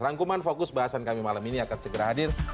rangkuman fokus bahasan kami malam ini akan segera hadir